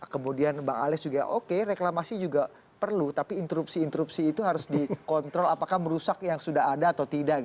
kemudian bang alex juga oke reklamasi juga perlu tapi interupsi interupsi itu harus dikontrol apakah merusak yang sudah ada atau tidak